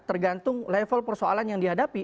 tergantung level persoalan yang dihadapi